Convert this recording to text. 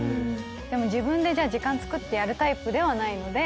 でも自分で時間つくってやるタイプではないので。